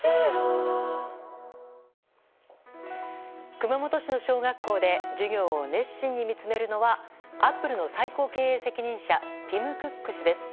熊本市の小学校で授業を熱心に見つめるのはアップルの最高経営責任者ティム・クック氏です。